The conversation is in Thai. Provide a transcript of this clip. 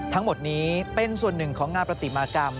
ทั้งหมดนี้เป็นส่วนหนึ่งของงานปฏิมากรรม